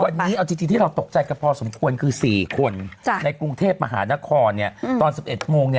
วันนี้เอาจริงที่เราตกใจกันพอสมควรคือ๔คนในกรุงเทพมหานครตอน๑๑โมง